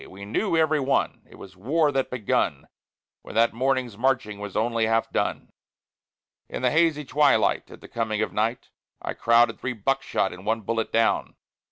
We knew, every one, it was war that begun, When that morning's marching was only half done. In the hazy twilight, at the coming of night, I crowded three buckshot and one bullet down.